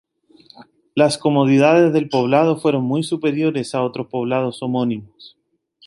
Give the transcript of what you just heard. Las comodidades del poblado fueron muy superiores a otros poblados homónimos.